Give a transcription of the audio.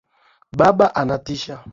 Baba anatisha